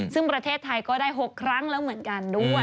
ซึ่งประเทศไทยก็ได้๖ครั้งแล้วเหมือนกันด้วย